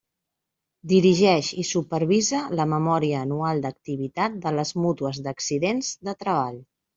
Dirigeix i supervisa la memòria anual d'activitat de les mútues d'accidents de treball.